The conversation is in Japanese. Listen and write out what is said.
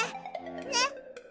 ねっ！